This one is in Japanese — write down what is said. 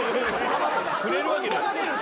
・くれるわけない。